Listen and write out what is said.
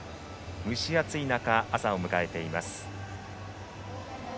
蒸し暑い中、朝を迎えています。